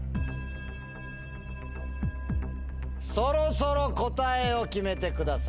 そろそろ答えを決めてください。